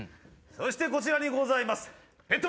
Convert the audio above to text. そしてこちらにございます